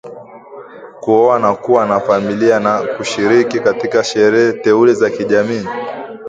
kuoa na kuwa na famila na kushiriki katika sherehe teule za kijamii